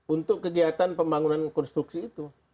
untuk kegiatan pembangunan konstruksi itu